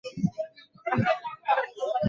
Wape mwelekeo.